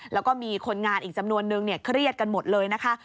แล้วก็มีคนงานอีกจำนวนนึงเครียดกันหมดเลยนะคะ